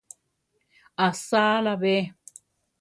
¿Asáala be?